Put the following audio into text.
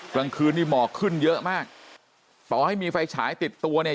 กลางคืนนี่หมอกขึ้นเยอะมากต่อให้มีไฟฉายติดตัวเนี่ย